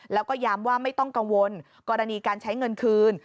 แล้วก็ย้ำว่าไม่ต้องกังวลกรณีการใช้เงินคืน